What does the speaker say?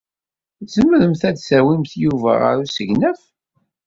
Tzemremt ad tawimt Yuba ɣer usegnaf?